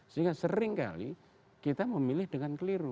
sehingga sering kali kita memilih dengan keliru